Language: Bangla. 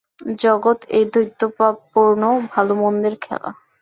জগৎ এই দ্বৈতভাবপূর্ণ ভাল-মন্দের খেলা।